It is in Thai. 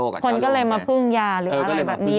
คนก็เลยมาพึ่งยาหรืออะไรแบบนี้